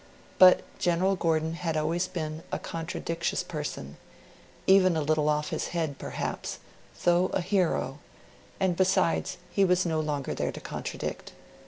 But General Gordon had always been a contradictious person even a little off his head, perhaps, though a hero; and besides, he was no longer there to contradict